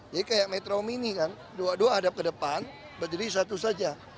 jadi kayak metro mini kan dua dua hadap ke depan berdiri satu saja